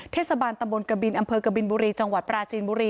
เทศบาลตำบลกบินอำเภอกบินบุรีจังหวัดปราจีนบุรี